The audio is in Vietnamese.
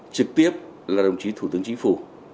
trực tiếp là đồng chí thủ tướng chính phủ